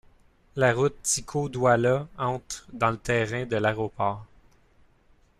La route Tiko-Douala entre dans le terrain de l'aéroport.